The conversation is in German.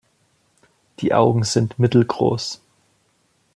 Die Augen sind mittelgroß.